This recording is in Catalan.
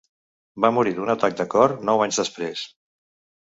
Va morir d'un atac de cor nou anys després.